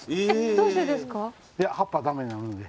どうしてですか？